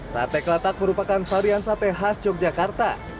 sate kelatak merupakan varian sate khas yogyakarta